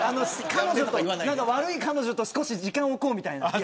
悪い彼女と少し時間をおこうみたいな。